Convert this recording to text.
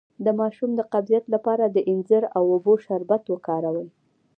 د ماشوم د قبضیت لپاره د انځر او اوبو شربت وکاروئ